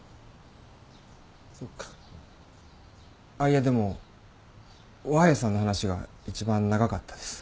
いやでも和平さんの話が一番長かったです。